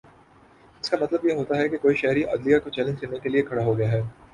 اس کا مطلب یہ ہوتا ہے کہ کوئی شہری عدلیہ کو چیلنج کرنے کے لیے کھڑا ہو گیا ہے